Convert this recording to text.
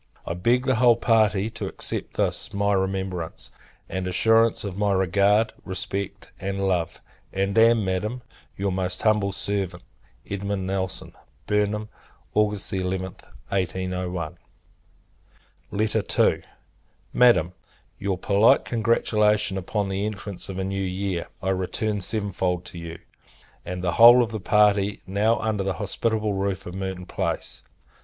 I beg the whole party to accept this my remembrance; and assurance of my regard, respect, and love: and am, Madam, your most humble servant, EDM. NELSON. Burnham, August 11th, [1801.] II. Madam, Your polite congratulation upon the entrance of a new year, I return seven fold to you, and the whole of the party now under the hospitable roof of Merton Place.